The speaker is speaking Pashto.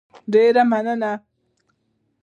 ډېره مننه